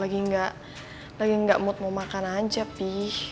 gue lagi gak mood mau makan aja pih